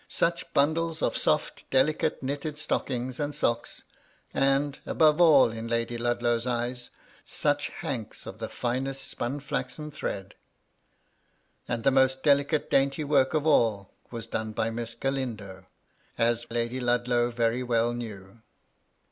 Such bundles of soft delicate knitted stockings and socks ; and, above all, in Lady Ludlow's eyes, such hanks of the finest spun flaxen threadi And the most delicate dainty work of all was done by Miss GaUndo, as Lady Ludlow very well knew.